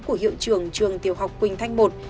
của hiệu trưởng trường tiểu học quỳnh thanh i